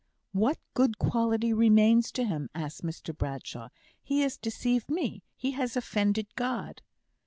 "What good quality remains to him?" asked Mr Bradshaw. "He has deceived me he has offended God."